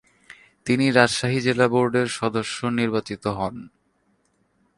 তিনি রাজশাহী জেলা বোর্ডের সদস্য নির্বাচিত হন।